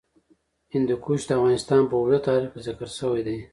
هندوکش د افغانستان په اوږده تاریخ کې ذکر شوی دی.